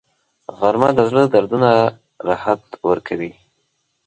غرمه د زړه دردونو ته راحت ورکوي